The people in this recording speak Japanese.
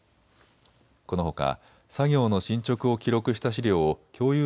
このほか作業の進捗を記録した資料を共有